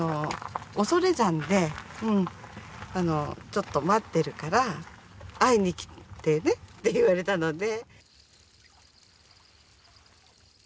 恐山でちょっと待ってるから会いに来てねって言われたので。